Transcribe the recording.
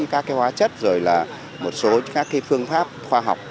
cái hóa chất rồi là một số các cái phương pháp khoa học